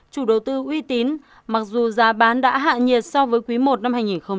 chủ đầu tư uy tín mặc dù giá bán đã hạ nhiệt so với quý i năm hai nghìn một mươi chín